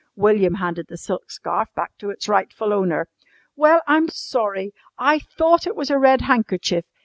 William handed the silk scarf back to its rightful owner. "Well, I'm sorry. I thought it was a red handkerchief.